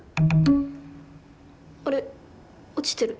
あれ落ちてる。